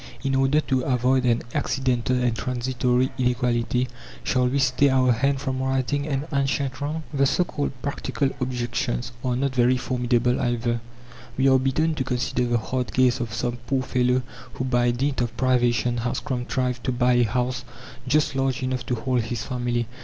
In order to avoid an accidental and transitory inequality, shall we stay our hand from righting an ancient wrong? The so called practical objections are not very formidable either. We are bidden to consider the hard case of some poor fellow who by dint of privation has contrived to buy a house just large enough to hold his family.